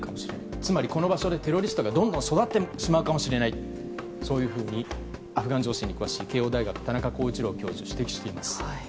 つまり、この場所でテロリストがどんどん育ってしまうかもしれないそういうふうにアフガン情勢に詳しい慶應大学の田中浩一郎教授が指摘しています。